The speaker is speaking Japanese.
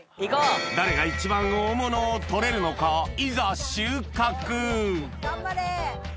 誰が一番大物を採れるのかいざ収穫頑張れ。